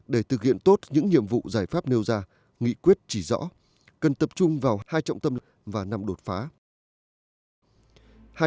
để thực hiện tốt những nhiệm vụ giải pháp nêu ra nghị quyết chỉ rõ cần tập trung vào hai trọng tâm và năm đột phá